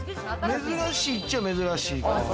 珍しいっちゃ珍しいな。